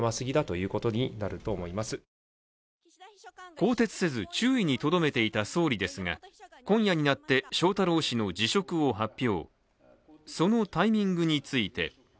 更迭せず、注意にとどめていた総理ですが今夜になって、翔太郎氏の辞職を発表。